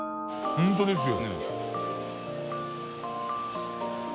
本当ですよ。